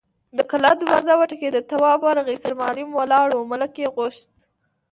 د کلا دروازه وټکېده، تواب ورغی، سرمعلم ولاړ و، ملک يې غوښت.